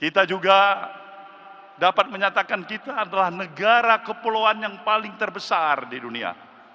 kita juga dapat menyatakan kita adalah negara kepulauan yang paling terbesar di dunia